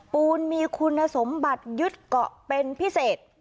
ปูนมีคุณสมบัติยึดเกาะเป็นพิเศษ